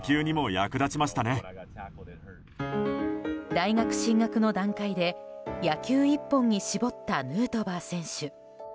大学進学の段階で野球一本に絞ったヌートバー選手。